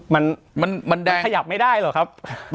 มันมันขยับไม่ได้เหรอครับ